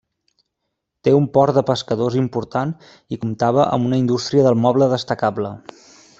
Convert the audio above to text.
Té un port de pescadors important i comptava amb una indústria del moble destacable.